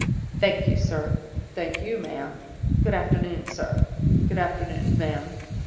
"'Thank you, sir.' "'Thank you, ma'am.' "'Good afternoon, sir.' "'Good afternoon, ma'am.